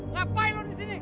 ngapain lo di sini